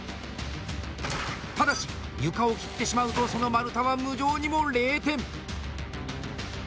ただし、床を切ってしまうとその丸太は無情にも０点。